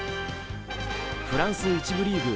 フランス１部リーグ